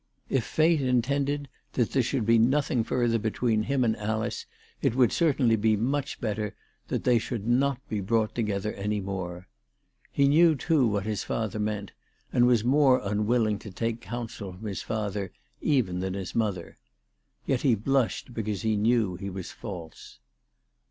If Fate intended that there should be nothing further be tween him and Alice, it would certainly be much better ALICE DUGDALE. 371 that they should not be brought together any more. He knew too what his father meant, and was more un willing to take counsel from his father even than his mother. Yet he blushed because he knew that he was false.